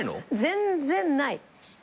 全然ない。